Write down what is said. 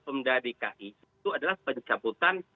pemda dki itu adalah pencabutan